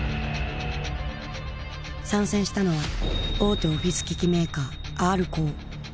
参戦したのは大手オフィス機器メーカーＲコー。